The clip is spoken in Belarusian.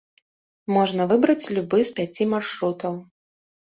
Можна выбраць любы з пяці маршрутаў.